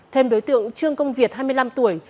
thêm đối tượng trương công việt hai mươi năm tuổi